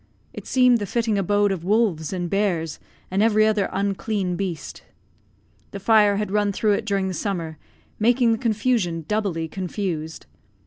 It seemed the fitting abode of wolves and bears, and every other unclean beast. The fire had run through it during the summer, making the confusion doubly confused.